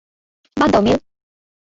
বাদ দাও, মেল।